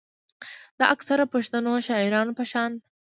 د اکثره پښتنو شاعرانو پۀ شان